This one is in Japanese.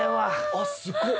あっすごっ！